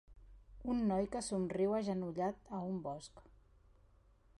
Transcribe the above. Un noi que somriu agenollat a un bosc